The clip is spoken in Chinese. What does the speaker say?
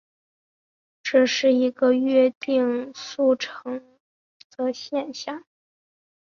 这是一个约定俗成的现像。